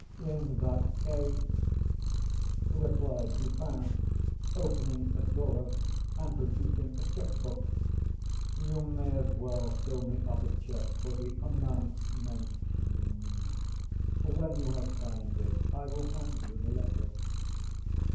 "In that case," replied Dupin, opening a drawer, and producing a check book, "you may as well fill me up a check for the amount mentioned. When you have signed it, I will hand you the letter."